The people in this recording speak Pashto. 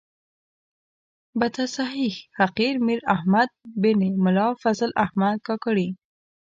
بتصحیح حقیر میر احمد بن ملا فضل احمد کاکړي.